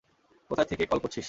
কোথায় থেকে কল করছিস?